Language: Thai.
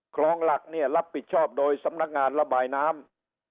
คลองหลักเนี่ยรับผิดชอบโดยสำนักงานระบายน้ำ